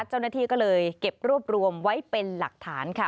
เจ้าหน้าที่ก็เลยเก็บรวบรวมไว้เป็นหลักฐานค่ะ